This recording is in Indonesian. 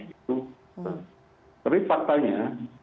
itu tapi faktanya